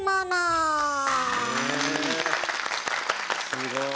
すごい。